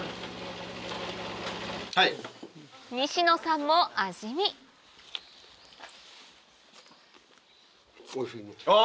西野さんも味見お！